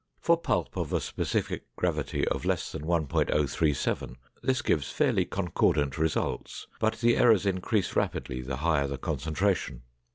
For pulp of a specific gravity of less than 1.037, this gives fairly concordant results, but the errors increase rapidly the higher the concentration.